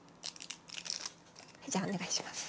じゃあお願いします。